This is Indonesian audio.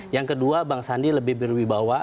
yang kedua bang sandi lebih berwibawa